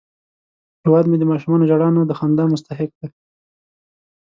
هیواد مې د ماشومانو ژړا نه، د خندا مستحق دی